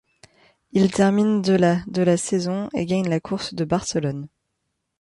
Il termine de la de la saison et gagne la course de Barcelone.